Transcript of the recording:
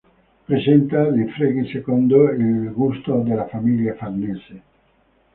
Presenta dei fregi secondo il gusto della famiglia Farnese.